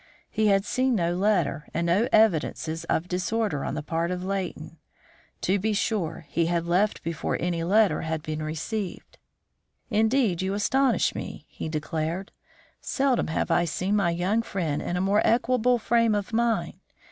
He had seen no letter and no evidences of disorder on the part of Leighton. To be sure, he had left before any letter had been received. "Indeed, you astonish me," he declared. "Seldom have I seen my young friend in a more equable frame of mind.